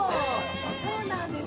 そうなんです。